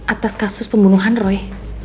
atas kasus pembunuhan roy